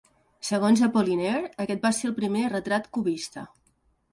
Segon Apollinaire, aquest va ser el "primer retrat cubista".